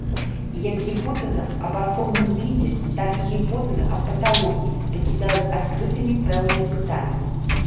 Як гіпотэза аб асобным відзе, так і гіпотэза аб паталогіі пакідаюць адкрытымі пэўныя пытанні.